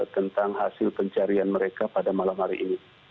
tentang hasil pencarian mereka pada malam hari ini